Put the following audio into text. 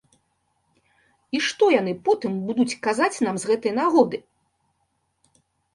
І што яны потым будуць казаць нам з гэтай нагоды.